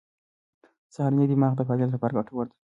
سهارنۍ د دماغ د فعالیت لپاره ګټوره ده.